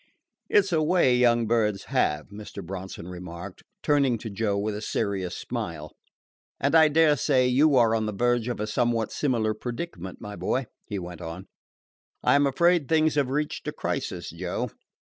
"It 's a way young birds have," Mr. Bronson remarked, turning to Joe with a serious smile; "and I dare say you are on the verge of a somewhat similar predicament, my boy," he went on. "I am afraid things have reached a crisis, Joe.